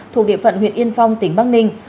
thuộc địa phận huyện yên phong tỉnh bắc ninh